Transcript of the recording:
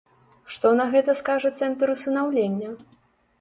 Што на гэта скажа цэнтр усынаўлення?